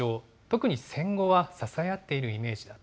特に戦後は支え合っているイメー